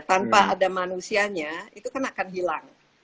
tanpa ada manusianya itu kan akan hilang